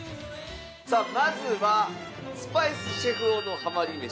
さぁまずはスパイスシェフ男のハマり飯。